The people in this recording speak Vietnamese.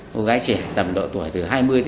cô gái trẻ tầm độ tuổi từ hai mươi hai mươi năm